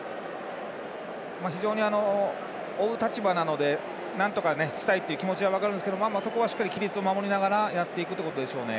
非常に追う立場なのでなんとかしたいっていう気持ちは分かるんですけどそこはしっかり規律を守りながらやっていくということでしょうね。